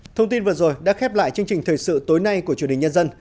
thông tin vừa rồi đã khép lại chương trình thời sự tối nay của chủ đề nhân dân